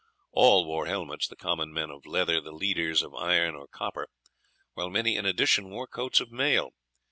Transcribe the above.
All wore helmets, the common men of leather, the leaders of iron or copper, while many in addition wore coats of mail.